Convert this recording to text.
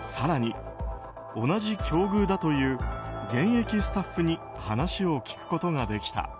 更に、同じ境遇だという現役スタッフに話を聞くことができた。